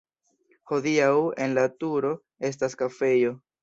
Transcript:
Hodiaŭ en la turo estas kafejo.